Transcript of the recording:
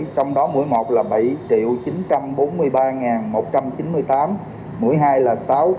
trong đó mũi một là bảy chín trăm bốn mươi ba một trăm chín mươi tám mũi hai là sáu tám trăm bảy mươi hai sáu trăm sáu mươi chín mũi bổ sung là bốn bốn trăm bốn mươi tám